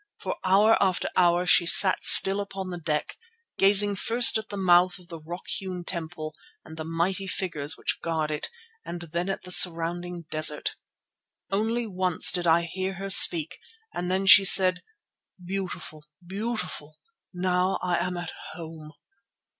For hour after hour she sat still upon the deck, gazing first at the mouth of the rock hewn temple and the mighty figures which guard it and then at the surrounding desert. Only once did I hear her speak and then she said, 'Beautiful, beautiful! Now I am at home.